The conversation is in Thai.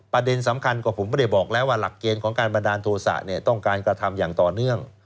ประเด็นสำคัญก็ผมไม่ได้บอกแล้วว่าหลักเกณฑ์ของการบันดาลโทษะเนี่ยต้องการกระทำอย่างต่อเนื่อง